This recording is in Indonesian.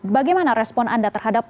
bagaimana respon anda terhadapnya